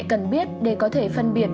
cần biết để có thể phân biệt